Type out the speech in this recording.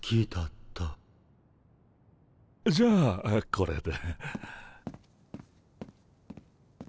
じゃあこれで。